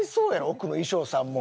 奥の衣装さんも。